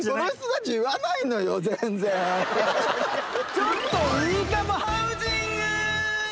ちょっといいかもハウジング！